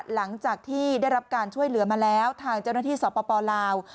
หลังจากที่ได้รับการช่วยเหลือมาแล้วทางเจ้าหน้าที่สปลาว